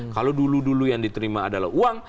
kalau dulu dulu yang diterima adalah uang